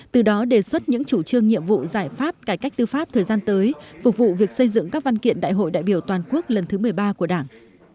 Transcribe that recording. từ đó đề xuất những chủ trương nhiệm vụ giải pháp cải cách tư pháp thời gian tới phục vụ việc xây dựng các văn kiện đại hội đại biểu toàn quốc lần thứ một mươi ba của đảng